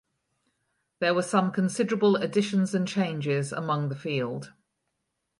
There were some considerable additions and changes among the field.